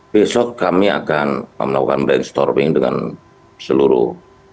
besok kami akan melakukan brainstorming dengan seluruh